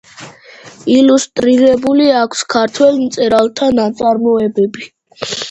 ილუსტრირებული აქვს ქართველ მწერალთა ნაწარმოებები.